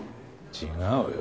違うよ。